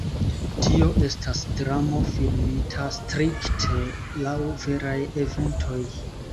Tio estas dramo, filmita strikte laŭ veraj eventoj.